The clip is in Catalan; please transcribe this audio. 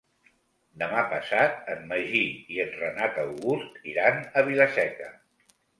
Demà passat en Magí i en Renat August iran a Vila-seca.